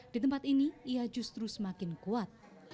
di tempat ini ia justru semakin kuat